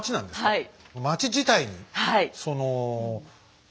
はい。